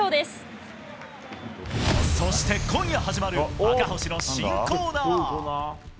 そして、今夜始まる赤星の新コーナー。